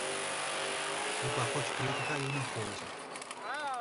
O pacote preto caiu no pouso.